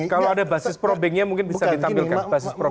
kalau ada basis probingnya mungkin bisa ditampilkan